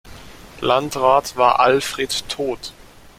Landrat war Alfred Todt.